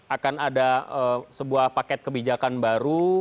akan ada sebuah paket kebijakan baru